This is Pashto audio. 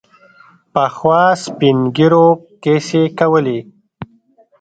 پخوا سپین ږیرو کیسې کولې.